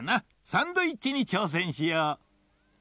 サンドイッチにちょうせんしよう！